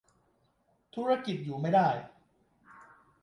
ธุรกิจอยู่ไม่ได้